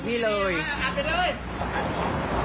ดูคลิปกันก่อนนะครับแล้วเดี๋ยวมาเล่าให้ฟังนะครับ